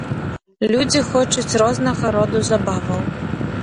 Людзі хочуць рознага роду забаваў.